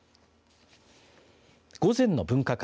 午前の分科会。